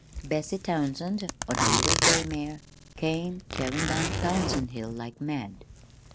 Bessie Townsend, on her little gray mare, came tearin' down the Townsend Hill like mad.